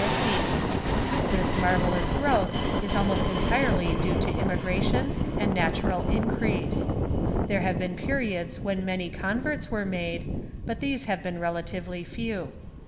This marvellous growth is almost entire ly due to immigration and natural increase. There have been periods when many converts were made, but these have been relatively few.